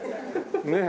ねえ？